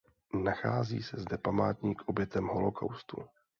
Nachází se zde památník obětem holokaustu.